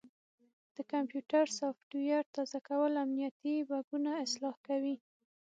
د کمپیوټر سافټویر تازه کول امنیتي بګونه اصلاح کوي.